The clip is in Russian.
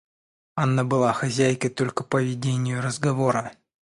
Анна была хозяйкой только по ведению разговора.